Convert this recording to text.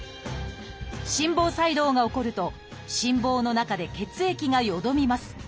心房細動が起こると心房の中で血液がよどみます。